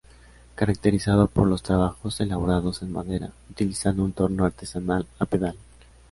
Caracterizado por los trabajos elaborados en madera, utilizando un torno artesanal a pedal.